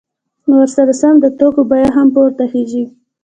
نو ورسره سم د توکو بیه هم پورته خیژي